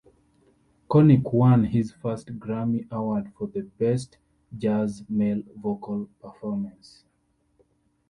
Connick won his first Grammy Award for Best Jazz Male Vocal Performance.